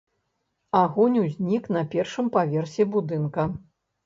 Агонь узнік на першым паверсе будынка.